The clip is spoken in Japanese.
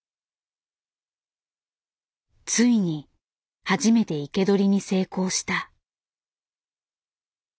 ついに初めて生け捕りに成功した。